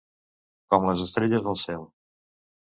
Com les estrelles al cel.